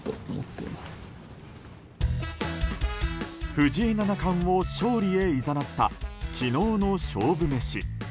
藤井七冠を勝利へいざなった昨日の勝負メシ。